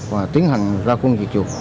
và tiến hành ra quân diệt chuột